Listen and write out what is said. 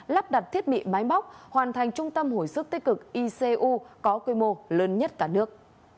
lắp đặt thiết bị máy móc hoàn thành trung tâm hồi sức tích cực icu có quy mô lớn nhất cả nước